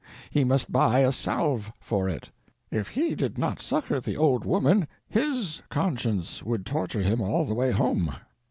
He must buy a salve for it. If he did not succor the old woman his conscience would torture him all the way home.